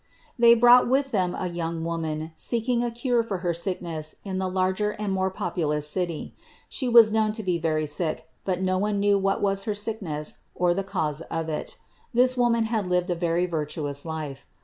They brought with them a young woman seeking a cure for her sickness in the larger and more populous city. She was known to be very sick, but no one knew what was her sickness or the cause of it. This woman had lived a very virtuous life.